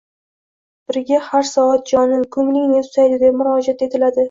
biriga har soat jonim, ko'ngling ne tusaydi» deb murojaat etiladi.